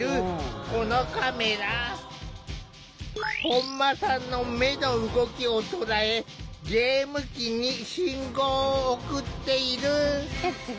本間さんの目の動きを捉えゲーム機に信号を送っている。